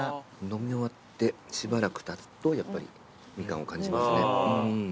飲み終わってしばらくたつとやっぱりミカンを感じますね。